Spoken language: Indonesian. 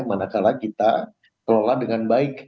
manakala kita kelola dengan baik